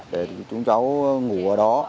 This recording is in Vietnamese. để chúng cháu ngủ ở đó